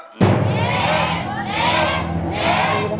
เริ่ม